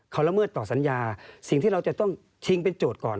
เขาละเมิดต่อสัญญาสิ่งที่เราจะต้องชิงเป็นโจทย์ก่อน